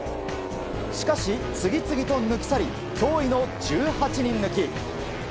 しかし、次々と抜き去り驚異の１８人抜き。